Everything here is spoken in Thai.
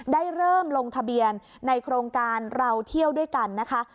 ได้เริ่มลงทะเบียนในโครงการเราเที่ยวด้วยกันนะคะ